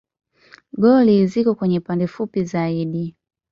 Goli ziko kwenye pande fupi zaidi.